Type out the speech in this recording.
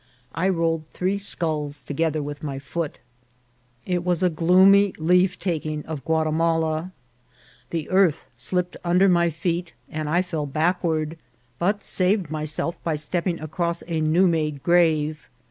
I rolled three sculls together with my foot 12 INCIDENTS OF TRAVEL. It was a gloomy leave taking of Guatimala. The earth slipped under my feet and I fell backward, but saved myself by stepping across a new made grave.